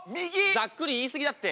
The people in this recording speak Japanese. ざっくり言い過ぎだってお前